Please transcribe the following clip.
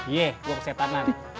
iya gue kesetanan